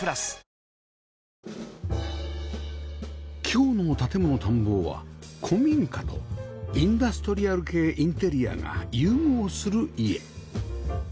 今日の『建もの探訪』は古民家とインダストリアル系インテリアが融合する家